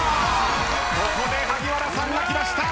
ここで萩原さんがきました。